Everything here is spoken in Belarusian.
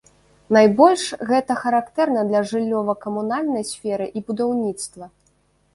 Найбольш гэта характэрна для жыллёва-камунальнай сферы і будаўніцтва.